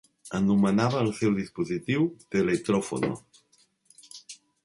Anomenava el seu dispositiu "telettrofono".